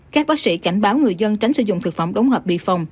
các bác sĩ cảnh báo người dân tránh sử dụng thực phẩm đúng hợp bị phòng